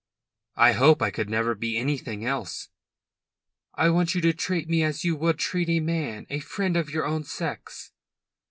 "I hope I could never be anything else." "I want you to treat me as you would treat a man, a friend of your own sex."